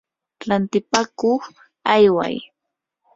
rantipakuq ayway.